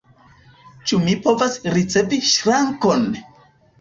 Ĉu mi povas ricevi ŝrankon?